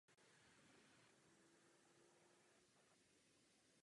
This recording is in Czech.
Je rozdělen do dvou pásů.